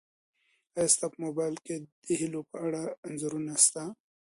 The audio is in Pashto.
ایا ستا په موبایل کي د هیلو په اړه انځورونه سته؟